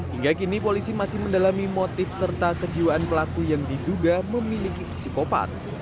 hingga kini polisi masih mendalami motif serta kejiwaan pelaku yang diduga memiliki psikopat